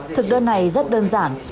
thực đơn này rất đơn giản